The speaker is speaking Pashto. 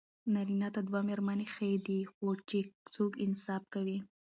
نارېنه ته دوه ميرمني ښې دي، خو چې څوک انصاف کوي